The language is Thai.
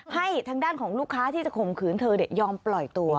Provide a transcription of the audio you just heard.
ให้ทางด้านของลูกค้าที่จะข่มขืนเธอยอมปล่อยตัว